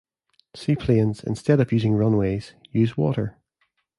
Seaplanes, instead of using runways, use water.